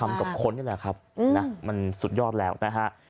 กับคนนี่แหละครับนะมันสุดยอดแล้วนะฮะ